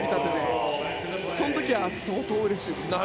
その時は相当うれしいです。